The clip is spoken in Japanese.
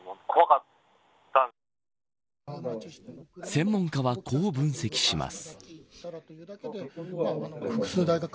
専門家はこう分析します。